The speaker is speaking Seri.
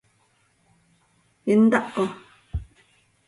¿Intaho?